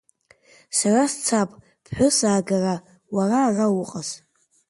Сара сцап ԥҳәыс аагара, уара ара уҟаз.